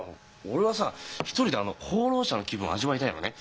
俺はさ一人で放浪者の気分を味わいたいのね。